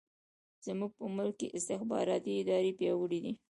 زموږ په ملک کې استخباراتي ادارې پیاوړې دي.